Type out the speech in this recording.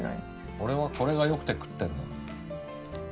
俺はこれが良くて食ってんの。